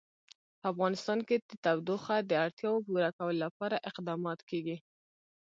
په افغانستان کې د تودوخه د اړتیاوو پوره کولو لپاره اقدامات کېږي.